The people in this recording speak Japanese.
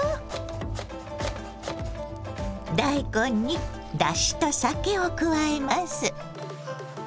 大根にだしと酒を加えます。